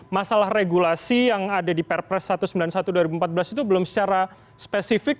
masalah regulasi yang ada di perpres satu ratus sembilan puluh satu dua ribu empat belas itu belum secara spesifik